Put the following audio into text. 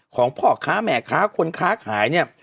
ของพ่อค้าแม่ค้าคนค้าขายเนี่ย